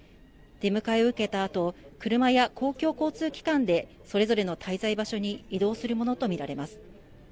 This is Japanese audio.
出迎えを受けたあと車や公共交通機関でそれぞれの滞在場所に移動するものとみられます。